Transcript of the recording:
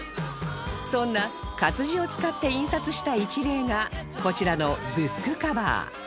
そんな活字を使って印刷した一例がこちらのブックカバー